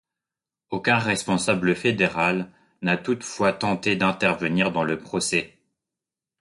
Aucun responsable fédéral n'a toutefois tenté d'intervenir dans le procès.